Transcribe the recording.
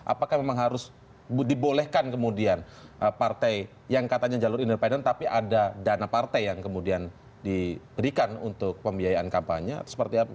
apakah memang harus dibolehkan kemudian partai yang katanya jalur independen tapi ada dana partai yang kemudian diberikan untuk pembiayaan kampanye atau seperti apa